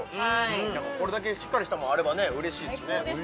これだけしっかりしたもんあればうれしいですね